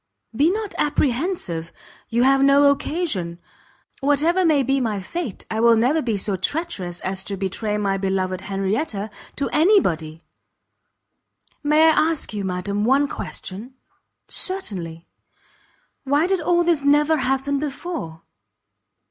"Be not apprehensive; you have no occasion. Whatever may be my fate, I will never be so treacherous as to betray my beloved Henrietta to any body." "May I ask you, madam, one question?" "Certainly." "Why did all this never happen before?"